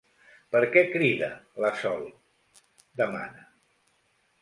Per què crida, la Sol? —demana.